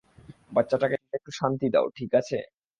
বাচ্চাটাকে একটু শান্তি দাও, ঠিক আছে?